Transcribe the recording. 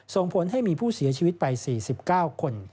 ส่งผลให้มีผู้เสียชีวิตไป๔๙คน